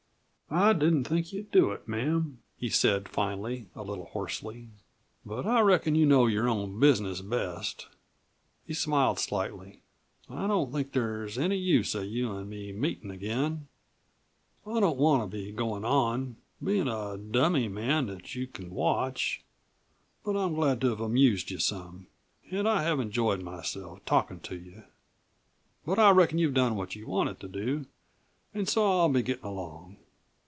"I didn't think you'd do it, ma'am," he said finally, a little hoarsely. "But I reckon you know your own business best." He smiled slightly. "I don't think there's any use of you an' me meetin' again I don't want to be goin' on, bein' a dummy man that you c'n watch. But I'm glad to have amused you some an' I have enjoyed myself, talkin' to you. But I reckon you've done what you wanted to do, an' so I'll be gettin' along."